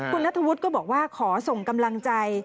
คุณนัทธวุฒิก็บอกว่าขอส่งกำลังใจ